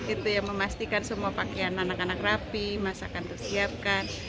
itu yang memastikan semua pakaian anak anak rapi masakan tersiapkan